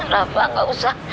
gapapa gak usah